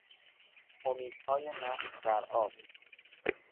امیدهای نقش برآب